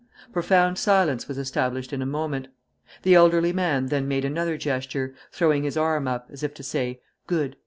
Profound silence was established in a moment. The elderly man then made another gesture, throwing his arm up, as if to say: 'Good!